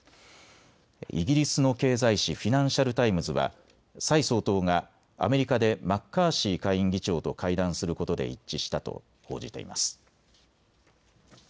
イギリスの経済紙、フィナンシャル・タイムズは蔡総統がアメリカでマッカーシー下院議長と会談することで一致したと報じています。